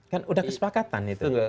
kan sudah kesepakatan itu